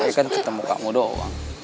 tapi kan ketemu kamu doang